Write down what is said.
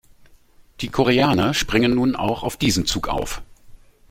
Die Koreaner springen nun auch auf diesen Zug auf.